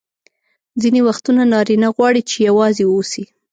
ځیني وختونه نارینه غواړي چي یوازي واوسي.